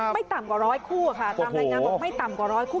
ไม่ต่ำกว่าร้อยคู่ค่ะตามรายงานบอกไม่ต่ำกว่าร้อยคู่